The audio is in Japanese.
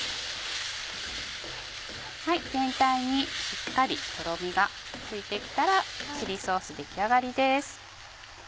全体にしっかりとろみがついて来たらチリソース出来上がりです。